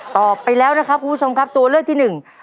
ตอบไปแล้วนะครับคุณผู้ชมครับตัวเลือกที่หนึ่ง